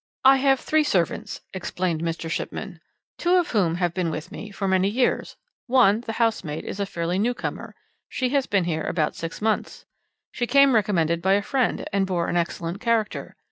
"'I have three servants,' explained Mr. Shipman, two of whom have been with me for many years; one, the housemaid, is a fairly new comer she has been here about six months. She came recommended by a friend, and bore an excellent character.